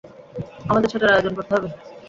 আমাদের সেটার আয়োজন করতে হবে।